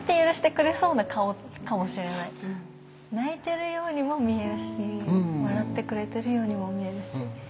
泣いてるようにも見えるし笑ってくれてるようにも見えるし。